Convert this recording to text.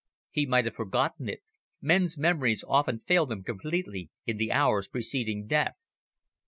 "He might have forgotten it. Men's memories often fail them completely in the hours preceding death."